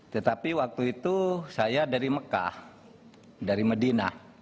tetapi waktu itu saya dari mekah dari medina